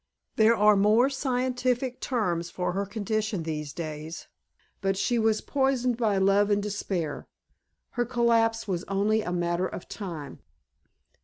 There are more scientific terms for her condition these days, but she was poisoned by love and despair. Her collapse was only a matter of time.